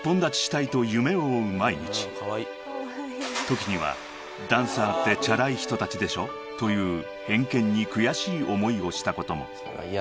［時には「ダンサーってチャラい人たちでしょ」という偏見に悔しい思いをしたことも］